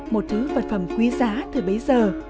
một thứ vật phẩm quý giá từ bấy giờ